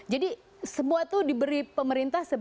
jadi semua itu diberi pemerintah sebab